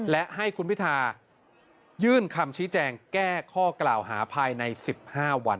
และให้คุณพิทายื่นคำชี้แจงแก้ข้อกล่าวหาภายใน๑๕วัน